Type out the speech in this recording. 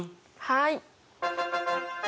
はい。